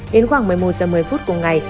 đến khoảng một mươi một h một mươi phút cùng ngày